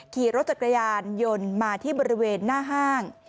ขี่รถจักรยานยนต์มาที่บริเวณหน้าห้าง